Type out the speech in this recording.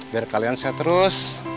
biar kalian sehat terus